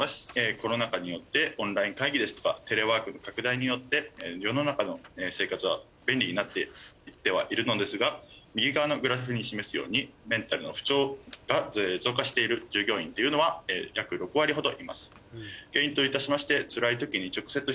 コロナ禍によってオンライン会議ですとかテレワークの拡大によって世の中の生活は便利になっていってはいるのですが右側のグラフに示すようにメンタルの不調が増加している従業員っていうのは約６割ほどいます。